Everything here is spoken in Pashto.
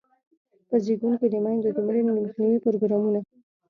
په زیږون کې د میندو د مړینې د مخنیوي پروګرامونه.